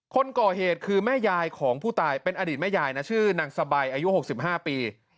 คนก่อเหตุคือแม่ยายของผู้ตายเป็นอดีตแม่ยายนะชื่อนางสบายอายุ๖๕ปี